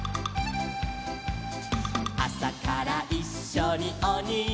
「あさからいっしょにおにぎり」